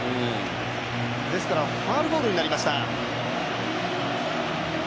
ですからファウルボールになりました。